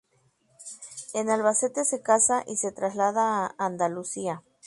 En Albacete se casa y se traslada a Andalucía.